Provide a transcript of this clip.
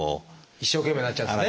一生懸命になっちゃうんですね。